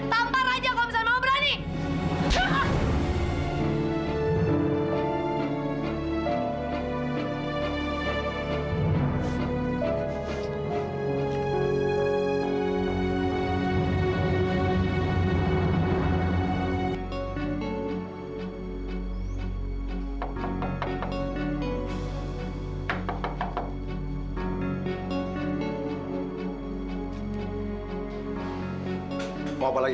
tampar aja kalau misalnya mau berani